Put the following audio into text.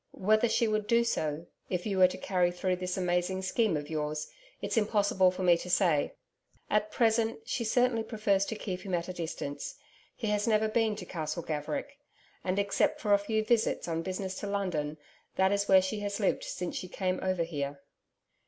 Whether she would do so, if you were to carry through this amazing scheme of yours, it's impossible for me to say. At present she certainly prefers to keep him at a distance. He has never been to Castle Gaverick. And except for a few visits on business to London that is where she has lived since she came over here.